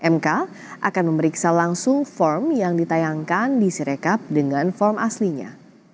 mk akan memeriksa langsung form yang ditayangkan di sirekap dengan form aslinya